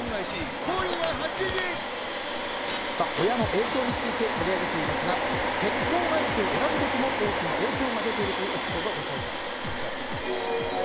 親の影響について取り上げていますが結婚相手を選ぶ時も大きな影響が出ているというエピソードご紹介します。